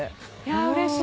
うれしい。